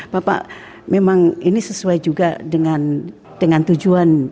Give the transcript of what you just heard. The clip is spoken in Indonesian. bapak memang ini sesuai juga dengan tujuan